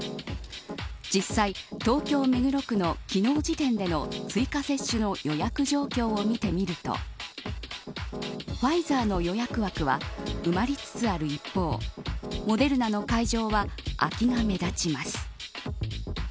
実際、東京目黒区の昨日時点での追加接種の予約状況を見てみるとファイザーの予約枠は埋まりつつある一方モデルナの会場は空きが目立ちます。